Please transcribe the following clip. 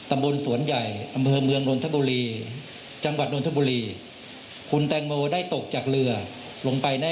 อำเภอเมืองนทบุรีจังหวัดนทบุรีหุ่นแตงโมได้ตกจากเรือลงไปใน